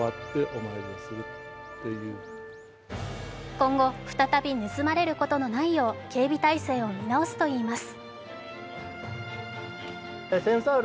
今後、再び盗まれることのないよう警備態勢を見直すといいます。